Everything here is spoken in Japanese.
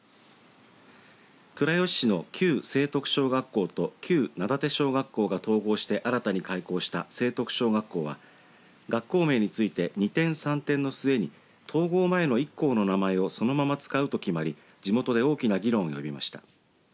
倉吉市の旧成徳小学校と旧灘手小学校が統合して新たに開校した成徳小学校は学校名について二転三転の末に統合前の一校の名前をそのまま使うと決まり地元で大きな議論を呼びました。